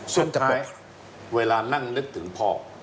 สุดท้ายเวลานั่งนึกถึงพ่อ